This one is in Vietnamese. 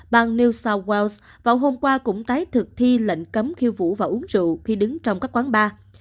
bang neil sawells vào hôm qua cũng tái thực thi lệnh cấm khiêu vũ và uống rượu khi đứng trong các quán bar